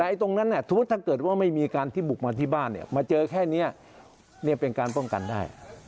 แต่ตรงนั้นสมมุติถ้าเกิดว่าไม่มีการที่บุกมาที่บ้านเนี่ยมาเจอแค่นี้เป็นการป้องกันได้